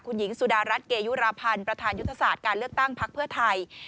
คุณหญิงสุดารัฐเกยุราพันธ์ประธานยุทธศาสตร์การเลือกตั้งพักเพื่อไทย